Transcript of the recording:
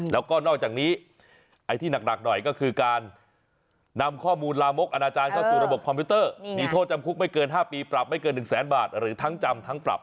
แล้วก็นอกจากนี้ไอ้ที่หนักหน่อยก็คือการนำข้อมูลลามกอนาจารย์เข้าสู่ระบบคอมพิวเตอร์มีโทษจำคุกไม่เกิน๕ปีปรับไม่เกิน๑แสนบาทหรือทั้งจำทั้งปรับ